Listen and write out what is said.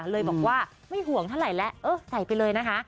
เลยบอกว่าไม่ห่วงเท่าไหร่แล้วเออใส่ไปเลยนะคะ